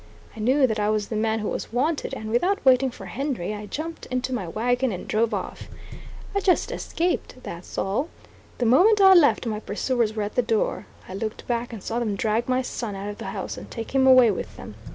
I knew that I was the man who was wanted, and, without waiting for Henry, I jumped into my wagon and drove off. I just escaped, that's all. The moment I left, my pursuers were at the door. I looked back and saw them drag my son out of the house, and take him away with them.